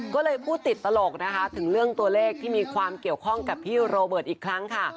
ก็เลยพูดติดตลกนะคะถึงเรื่องตัวเลขที่มีความเกี่ยวข้องกับพี่โรเบิร์ตอีกครั้งค่ะ